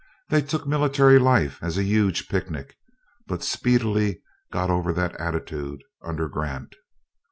They took military life as a huge picnic, but speedily got over that attitude under Grant.